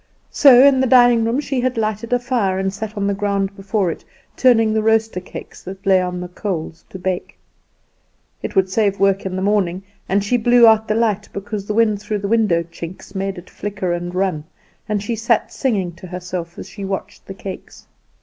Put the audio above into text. So in the dining room she had lighted a fire, and sat on the ground before it, turning the roaster cakes that lay on the coals to bake. It would save work in the morning; and she blew out the light because the wind through the window chinks made it flicker and run; and she sat singing to herself as she watched the cakes.